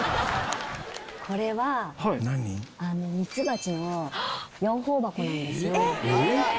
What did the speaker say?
これはミツバチの養蜂箱なんですよ。